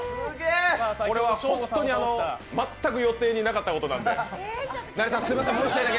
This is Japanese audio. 本当に全く予定になかったことなんで。